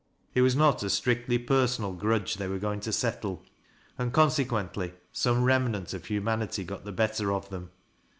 It was not a strictly personal grudge they were going to settkj and consequently some remnant of humanity got the bet ter of them.